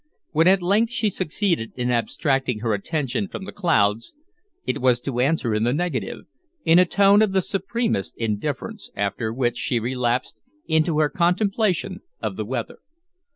When at length she succeeded in abstracting her attention from the clouds, it was to answer in the negative, in a tone of the supremest indifference, after which she relapsed into her contemplation of the weather.